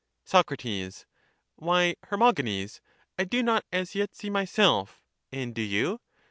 Soc. Why, Hermogenes, I do not as yet see myself ; and do you?